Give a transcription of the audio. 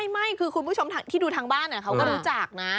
ไม่คือคุณผู้ชมที่ดูทางบ้านเขาก็รู้จักนะ